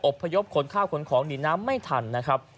พยพขนข้าวขนของหนีน้ำไม่ทันนะครับ